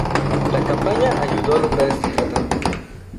La campaña ayudó a lograr este tratado.